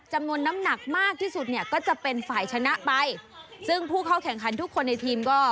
จำนวนน้ำหนักมากที่สุดเนี่ยก็จะเป็นฝ่ายชนะไปซึ่งผู้เข้าแข่งขันทุกคนในทีมก็